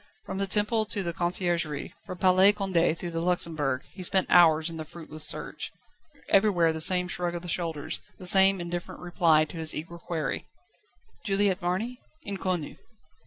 From the Temple to the Conciergerie, from Palais Condé to the Luxembourg, he spent hours in the fruitless search. Everywhere the same shrug of the shoulders, the same indifferent reply to his eager query: "Juliette Marny? _Inconnue.